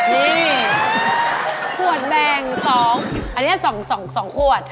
นี่ขวดแบ่ง๒อันนี้๒ขวด